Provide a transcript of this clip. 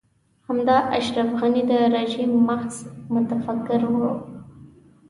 همدا اشرف غني د رژيم مغز متفکر و.